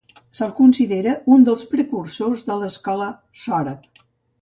Se'l considera un dels precursors de l'escola sòrab.